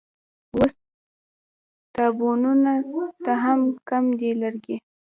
اوس تابوتونو ته هم کم دي لرګي